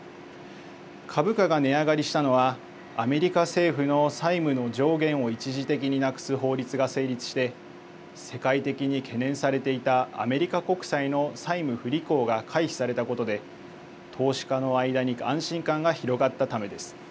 株価が値上がりしたのはアメリカ政府の債務の上限を一時的になくす法律が成立して世界的に懸念されていたアメリカ国債の債務不履行が回避されたことで投資家の間に安心感が広がったためです。